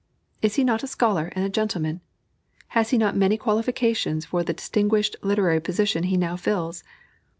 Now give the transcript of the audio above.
Is he not a scholar and a gentleman? Has he not many qualifications for the distinguished literary position he now fills?